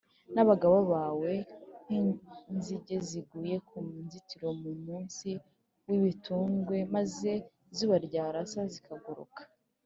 n’abagaba bawe nk’inzige ziguye ku nzitiro mu munsi w’ibitundwe maze izuba ryarasa zikaguruka